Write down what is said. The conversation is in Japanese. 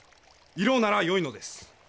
色ならよいのです。